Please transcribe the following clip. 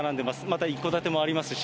また一戸建てもあります。